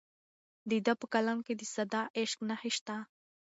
د ده په کلام کې د ساده عشق نښې شته.